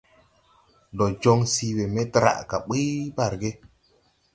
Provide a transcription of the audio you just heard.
Ndɔ jɔŋ sii we me draʼ gà ɓuy barge.